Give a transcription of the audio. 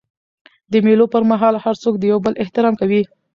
د مېلو پر مهال هر څوک د یو بل احترام کوي.